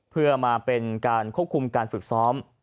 เพื่อมาเป็นการควบคุมการฝึกซ้อม